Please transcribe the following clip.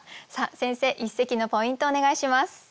先生一席のポイントをお願いします。